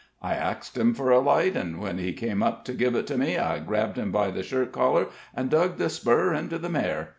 I axed him fur a light, an' when he came up to give it to me, I grabbed him by the shirt collar an' dug the spur into the mare.